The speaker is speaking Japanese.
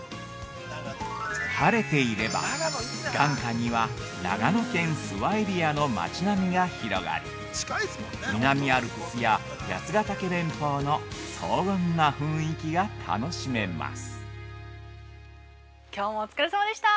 ◆晴れていれば、眼下には、長野県諏訪エリアの街並みが広がり、南アルプスや八ヶ岳連峰の荘厳な雰囲気が楽しめます。